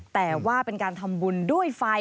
แต่ว่าเป็นการทำบุญด้วยไฟ